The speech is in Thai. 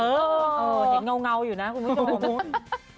เห็นเงาอยู่นะคุณผู้ชม